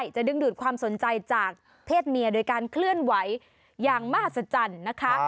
จะดึงดูดความสนใจจากเพศเมียโดยการเคลื่อนไหวอย่างมหัศจรรย์นะคะ